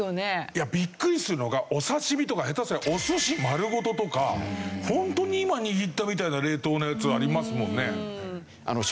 いやビックリするのがお刺し身とか下手したらお寿司丸ごととかホントに今握ったみたいな冷凍のやつありますもんね。